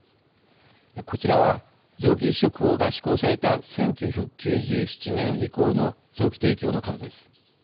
こちらは臓器移植法が施行された１９９７年以降の臓器提供の数です。